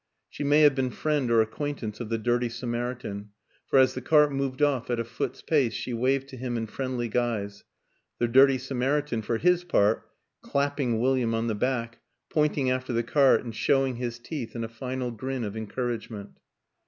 She may have been friend or acquaintance of the dirty Samaritan, for, as the cart moved off at a foot's pace, she v/aved to him in friendly guise; the dirty Samaritan, for his part, clapping William on the back, pointing after the cart and showing his teeth in a final grin of encourage ment.